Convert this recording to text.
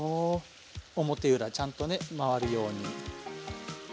表裏ちゃんとね回るように。